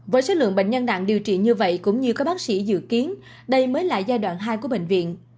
với số lượng bệnh nhân nặng điều trị như vậy cũng như các bác sĩ dự kiến đây mới là giai đoạn hai của bệnh viện